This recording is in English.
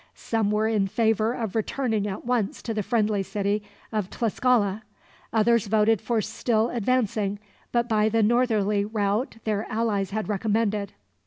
Some were in favor of returning at once to the friendly city of Tlascala. Others voted for still advancing, but by the northerly route their allies had recommended.